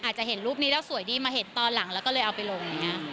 อาจจะเห็นรูปนี้แล้วสวยดีมาเห็นตอนหลังแล้วก็เลยเอาไปลงอย่างนี้